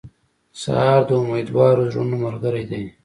سهار د امیدوارو زړونو ملګری دی.